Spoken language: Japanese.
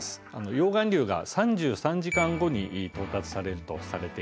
溶岩流が３３時間後に到達されるとされているところです。